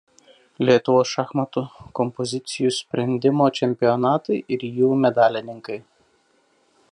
Lietuvos šachmatų kompozicijų sprendimo čempionatai ir jų medalininkai.